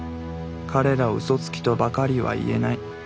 彼らをうそつきとばかりは言えない。